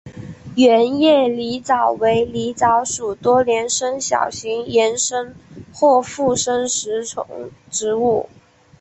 圆叶狸藻为狸藻属多年生小型岩生或附生食虫植物。